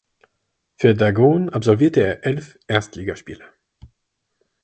Für Dagon absolvierte er elf Erstligaspiele.